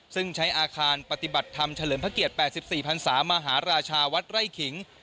ซึ่งใช้อาคารปฏิบัติธรรมเฉลิมพระเกียรติ๘๔พันศามหาราชาวัดไร่ขิง